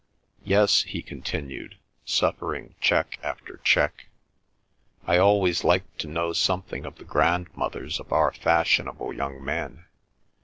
Yes," he continued, suffering check after check, "I always like to know something of the grandmothers of our fashionable young men.